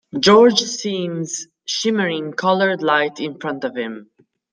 George sees shimmering colored light in front of him.